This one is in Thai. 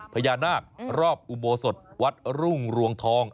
ภยานาครอบอุโมศตวัทส์รุ่งรวงทอง